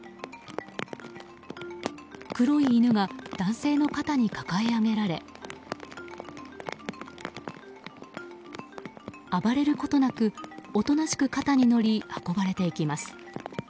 黒い犬が男性の肩に抱え上げられ暴れることなく、おとなしく肩に乗り運ばれていきます。